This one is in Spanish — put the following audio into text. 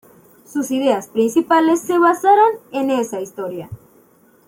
Sus ideas principales se basaron en esa historia.